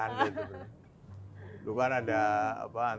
lebih ke arah becaan